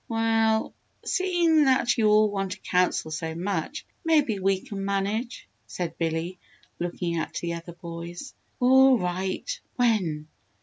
"We ll seeing that you all want a Council so much, maybe we can manage," said Billy, looking at the other boys. "All right when?"